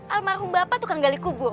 almarhum bapak tukang galiku bu